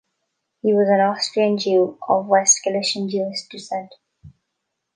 He was an Austrian Jew of West Galician-Jewish descent.